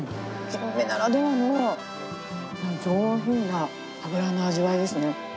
キンメならではの上品な脂の味わいですね。